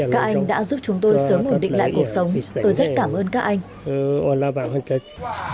các anh đã giúp chúng tôi sớm ổn định lại cuộc sống tôi rất cảm ơn các anh